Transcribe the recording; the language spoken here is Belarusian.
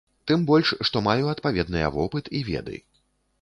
Тым больш, што маю адпаведныя вопыт і веды.